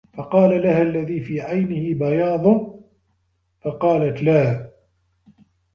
فَقَالَ لَهَا الَّذِي فِي عَيْنِهِ بَيَاضٌ ؟ فَقَالَتْ لَا